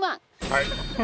はい。